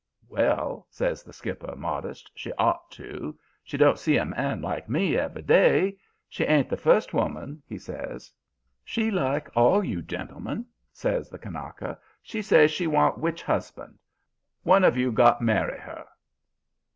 "'Well,' says the skipper, modest, 'she'd ought to. She don't see a man like me every day. She ain't the first woman,' he says. "'She like all you gentlemen,' says the Kanaka. 'She say she want witch husband. One of you got marry her."